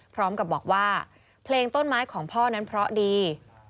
พร้อมกับบอกว่าเพลงต้นไม้ของพ่อนั้นเพราะดี